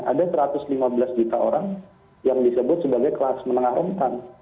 ada satu ratus lima belas juta orang yang disebut sebagai kelas menengah rentan